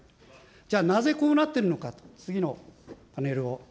じゃあなぜこうなってるのかと、次のパネルを。